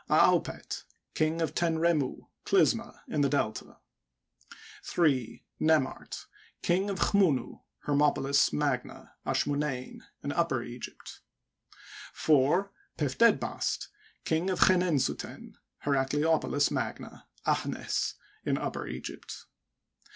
Aaupety King of Tenremu (Clysma), in the Delta. 3. Nemart, King of Chmunu (Hermopolis mag^a Ashumnein), in Upper Egypt. 4. Pefdedbast, King of Chenensuten (Heracleopolis magna Ahnes), in Upper Egypt.